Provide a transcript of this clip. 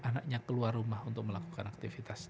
anaknya keluar rumah untuk melakukan aktivitas